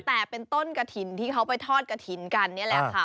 แต่เป็นต้นกระถิ่นที่เขาไปทอดกระถิ่นกันนี่แหละค่ะ